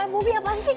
bobi apaan sih